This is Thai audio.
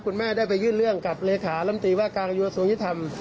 คุณแม่ได้ไปยื่นเรื่องกับเฮร่าที่ว่าการยุทธวงธรรม